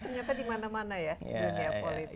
ternyata di mana mana ya dunia politik